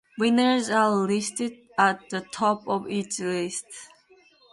Winners are listed at the top of each list.